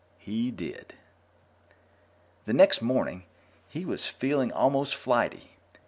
He did. The next morning, he was feeling almost flighty.